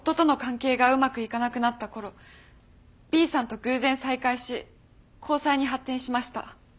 Ｂさんと偶然再会し交際に発展しました。